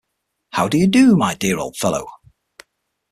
How do you do, my dear old fellow?